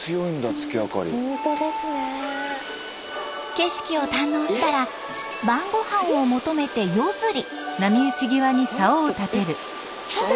景色を堪能したら晩ごはんを求めて夜釣り。